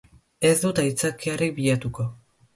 Ez dut aitzakiarik bilatuko.